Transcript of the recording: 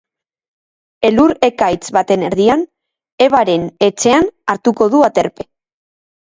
Elur ekaitz baten erdian, Evaren etxean hartuko du aterpe.